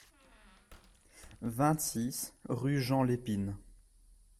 vingt-six rue Jean Lépine